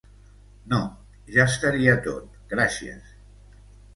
No, ja estaria tot, gràcies.